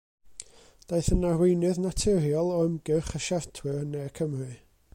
Daeth yn arweinydd naturiol o ymgyrch y siartwyr yn Ne Cymru.